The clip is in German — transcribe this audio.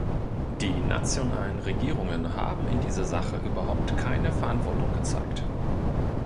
Die nationalen Regierungen haben in dieser Sache überhaupt keine Verantwortung gezeigt.